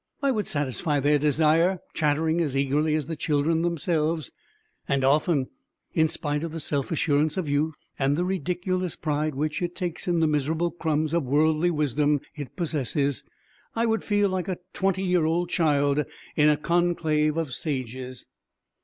I would satisfy their desire, chattering as eagerly as the children themselves, and often, in spite of the self assurance of youth and the ridiculous pride which it takes in the miserable crumbs of worldly wisdom it possesses, I would feel like a twenty year old child in a conclave of sages.